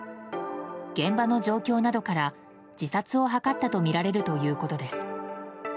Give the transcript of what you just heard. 現場の状況などから自殺を図ったとみられるということです。